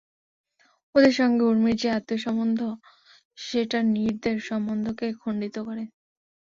ওদের সঙ্গে ঊর্মির যে আত্মীয়সম্বন্ধ সেটা নীরদের সম্বন্ধকে খণ্ডিত করে।